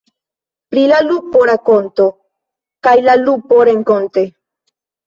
Pri la lupo rakonto, kaj la lupo renkonte.